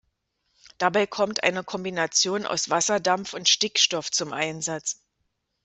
Dabei kommt eine Kombination aus Wasserdampf und Stickstoff zum Einsatz.